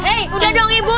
hei udah dong ibu